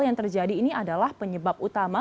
yang terjadi ini adalah penyebab utama